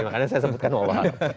makanya saya sebutkan walau alam